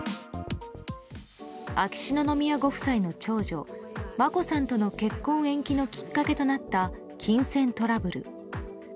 秋篠宮ご夫妻の長女・眞子さんとの結婚延期のきっかけとなった金銭トラブル。